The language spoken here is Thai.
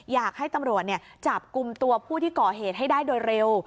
อยากให้ตำรวจจับกลุ่มตัวผู้ที่ก่อเหตุให้ได้โดยเร็ว